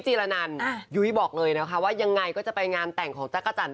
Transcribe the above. จีรนันยุ้ยบอกเลยนะคะว่ายังไงก็จะไปงานแต่งของจักรจันท